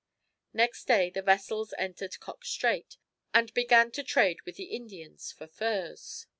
Next day the vessels entered Cox Strait, and began to trade with the Indians for furs.